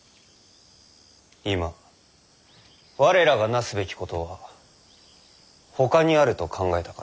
今我らがなすべきことはほかにあると考えたからじゃ。